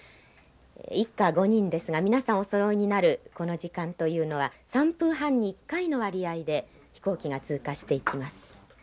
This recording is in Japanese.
一家５人ですが皆さんおそろいになるこの時間というのは３分半に１回の割合で飛行機が通過していきます。